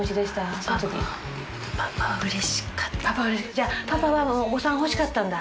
じゃあパパはお子さんが欲しかったんだ？